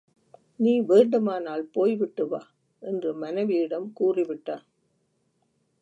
நீ வேண்டுமானால் போய் விட்டு வா, என்று மனைவியிடம் கூறுவிட்டான்.